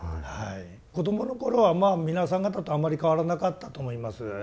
子供の頃はまあ皆さん方とあんまり変わらなかったと思います。